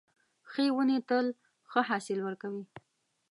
ښې ونې تل ښه حاصل ورکوي .